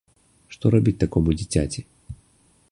Што рабіць такому дзіцяці?